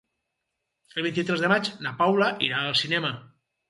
El vint-i-tres de maig na Paula irà al cinema.